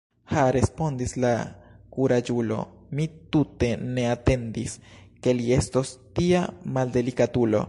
Ha, respondis la kuraĝulo, mi tute ne atendis, ke li estos tia maldelikatulo!